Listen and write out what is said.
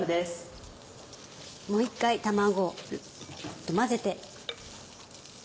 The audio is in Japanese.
もう一回卵と混ぜて。